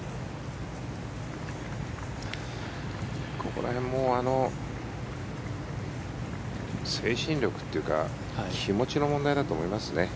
ここら辺も精神力というか気持ちの問題だと思いますね。